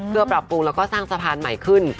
เพื่อปรับปรุงแล้วก็สร้างสะพานใหม่ขึ้น